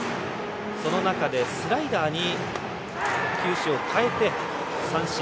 その中でスライダーに球種を変えて三振。